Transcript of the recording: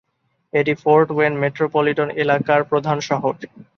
এটি Fort Wayne metropolitan এলাকার প্রধান শহর।